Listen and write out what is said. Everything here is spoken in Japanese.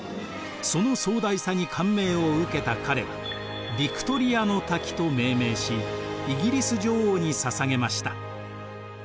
その壮大さに感銘を受けた彼は「ヴィクトリアの滝」と命名しイギリス女王にささげました。